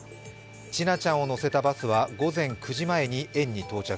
千奈ちゃんを乗せたバスは午前９時前に園に到着。